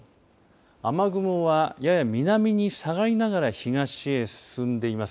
雨雲は、やや南に下がりながら東へ進んでいます。